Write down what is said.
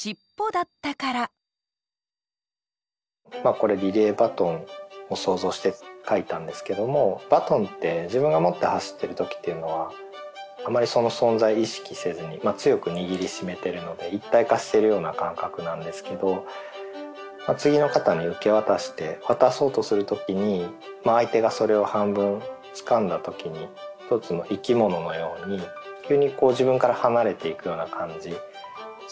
これリレーバトンを想像して書いたんですけどもバトンって自分が持って走ってる時っていうのはあまりその存在意識せずに強く握りしめてるので一体化してるような感覚なんですけど次の方に受け渡して渡そうとする時に相手がそれを半分つかんだ時にその瞬間がしっぽのようだなって。